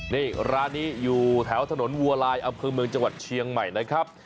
นี่ร้านนี้อยู่แถวถนนอัพพื้นเมืองจังหวัดเชียงใหม่นะครับ